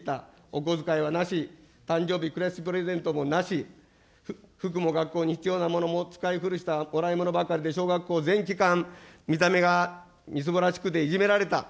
お小遣いはなし、誕生日、クリスマスプレゼントもなし、服も学校に必要なものも、使い古したもらいものばかりで小学校全期間、見た目がみすぼらしくていじめられた。